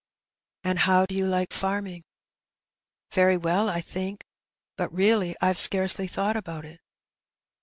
" And how do you like farming ?" "Very well, I think; but really, I've scarcely thought about it."